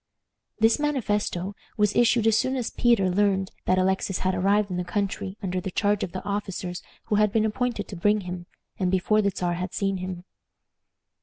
This manifesto was issued as soon as Peter learned that Alexis had arrived in the country under the charge of the officers who had been appointed to bring him, and before the Czar had seen him.